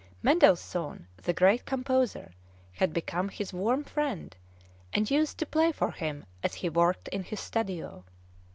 Mendelssohn, the great composer, had become his warm friend, and used to play for him as he worked in his studio.